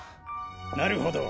なるほど。